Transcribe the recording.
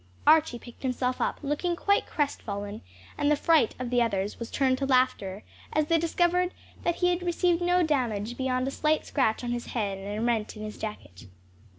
Archie picked himself up, looking quite crestfallen, and the fright of the others was turned to laughter, as they discovered that he had received no damage beyond a slight scratch on his hand and a rent in his jacket.